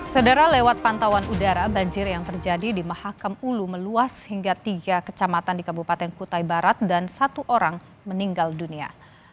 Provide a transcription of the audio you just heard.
sedera lewat pantauan udara banjir yang terjadi di mahakam ulu meluas hingga tiga kecamatan di kabupaten kutai barat dan satu orang meninggal dunia